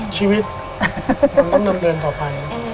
ชีวิตมันต้องเดินต่อไป